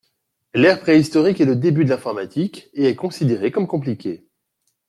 L’ère préhistorique est le début de l’informatique et est considérée comme compliquée.